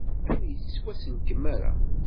Ur yettwaselkam ara.